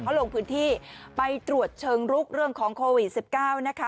เขาลงพื้นที่ไปตรวจเชิงลุกเรื่องของโควิด๑๙นะคะ